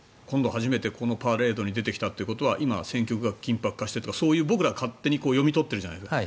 初めてこのパレードに出てきたということは戦況が緊迫化してきてとかそう僕らが勝手に読み取ってるじゃないですか。